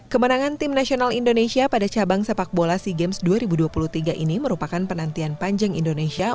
kemenangan tim nasional indonesia pada cabang sepak bola sea games dua ribu dua puluh tiga ini merupakan penantian panjang indonesia